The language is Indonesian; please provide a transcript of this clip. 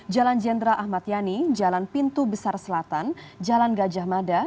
jalan jenderal ahmad yani jalan pintu besar selatan jalan gajah mada